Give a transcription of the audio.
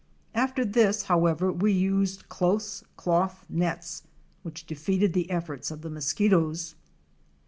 After this however we used close cloth nets, which defeated the efforts of the mosquitoes.